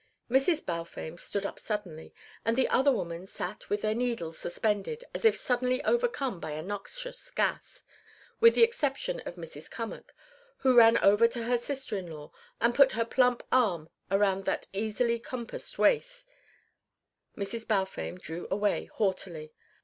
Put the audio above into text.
Mrs. Balfame stood up suddenly, and the other women sat with their needles suspended as if suddenly overcome by a noxious gas, with the exception of Mrs. Cummack, who ran over to her sister in law and put her plump arm about that easily compassed waist. Mrs. Balfame drew away haughtily.